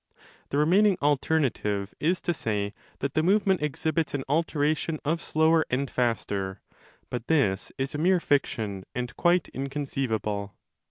The remaining alternative is to say that the movement exhibits 5 an alternation of slower and faster: but this is a mere fiction and quite inconceivable.